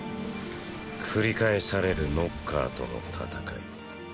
繰り返されるノッカーとの戦い。